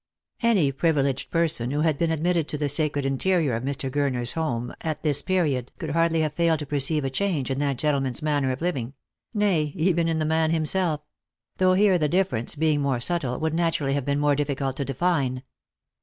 Any privileged person who had been admitted to the sacred interior of Mr. Gurner's home at this period could hardly have failed to perceive a change in that gentleman's manner of living — nay, even in the man himself — though here the difference, being more subtle, would naturally have been more difficult to define.